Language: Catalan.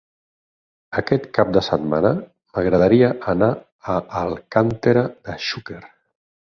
Aquest cap de setmana m'agradaria anar a Alcàntera de Xúquer.